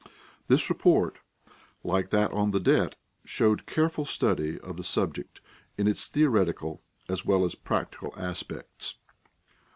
This report, like that on the debt, showed careful study of the subject in its theoretical as well as practical aspects.